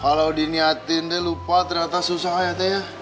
kalau diniatin deh lupa ternyata susah ya teh ya